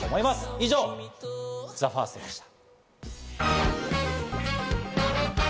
以上、ＴＨＥＦＩＲＳＴでした。